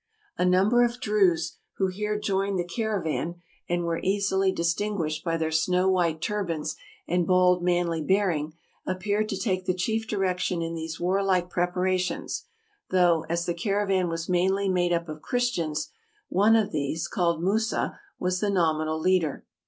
A num ber of Druses who here joined the caravan, and who were easily distinguished by their snow white turbans and bold, manly bearing, appeared to take the chief direction in these warlike preparations, though, as the caravan was mainly made up of Christians, one of these, called Musa, was the nominal leader.